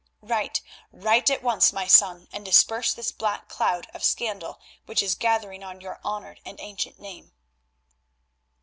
Write, write at once, my son, and disperse this black cloud of scandal which is gathering on your honoured and ancient name."